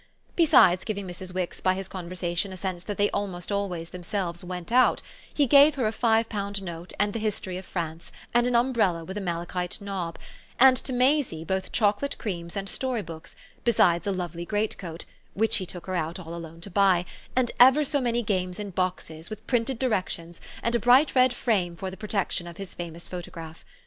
Besides giving Mrs. Wix by his conversation a sense that they almost themselves "went out," he gave her a five pound note and the history of France and an umbrella with a malachite knob, and to Maisie both chocolate creams and story books, besides a lovely greatcoat (which he took her out all alone to buy) and ever so many games in boxes, with printed directions, and a bright red frame for the protection of his famous photograph.